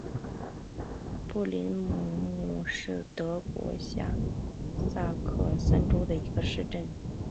布林库姆是德国下萨克森州的一个市镇。